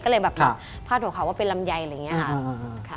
ก็เลยแบบพาดหัวข่าวว่าเป็นลำไยอะไรอย่างนี้ค่ะ